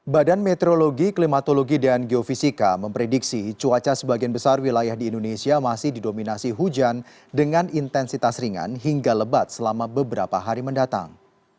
badan meteorologi klimatologi dan geofisika memprediksi cuaca sebagian besar wilayah di indonesia masih didominasi hujan dengan intensitas ringan hingga lebat selama beberapa hari mendatang